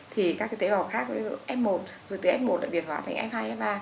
thì các tế bào khác ví dụ f một rồi từ f một lại biển hóa thành f hai f ba